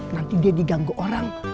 nanti dia diganggu orang